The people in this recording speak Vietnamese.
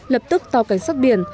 lập tức tàu cảnh sát biển